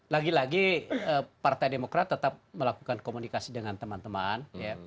lagi lagi partai demokrat tetap melakukan komunikasi dengan teman teman